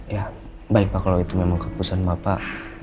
ya baik pak kalau itu memang keputusan maaf pak